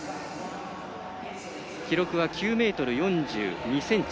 記録は９ｍ４２ｃｍ。